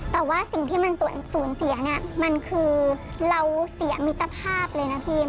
แต่ว่าสิ่งที่มันสูญเสียเนี่ยมันคือเราเสียมิตรภาพเลยนะพี่